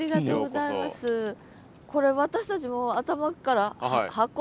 これ私たちも頭っからハコ。